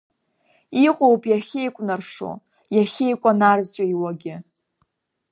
Иҟоуп иахьеикәнаршо, иахьеикәанарҵәиуагьы.